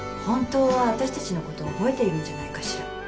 本当は私たちのこと覚えているんじゃないかしら。